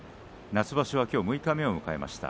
夏場所は、きょう六日目を迎えました。